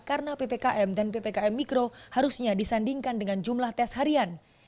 karena ppkm dan ppkm mikro harusnya disandingkan dengan jumlah tes harian